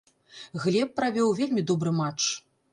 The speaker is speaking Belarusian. Глеб правёў вельмі добры матч.